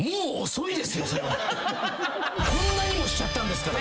こんなにもしちゃったんですから。